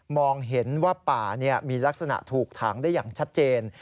เห็นว่าป่ามีลักษณะถูกถางได้อย่างชัดเจน